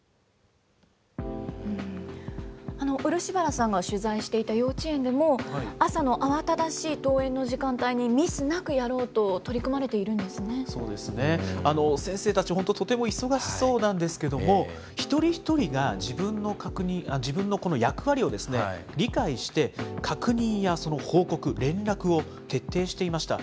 漆原さんが取材していた幼稚園でも、朝の慌ただしい登園の時間帯に、ミスなくやろうと取り組まれていそうですね、先生たち、本当、とても忙しそうなんですけれども、一人一人が自分の役割を理解して、確認やその報告、連絡を徹底していました。